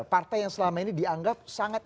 partai yang selama ini dianggap sangat